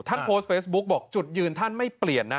ท่านโพสต์เฟซบุ๊กบอกจุดยืนท่านไม่เปลี่ยนนะ